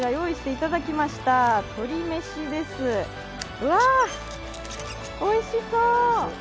うわ、おいしそう。